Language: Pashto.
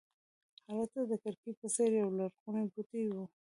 هلته د کړکۍ په څېر یولرغونی بوټی و.